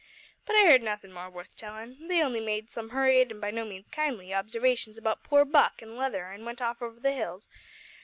But I heard nothin' more worth tellin'. They only made some hurried, an' by no means kindly, observations about poor Buck an' Leather an' went off over the hills.